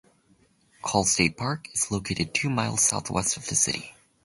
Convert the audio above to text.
Call State Park is located two miles southwest of the city.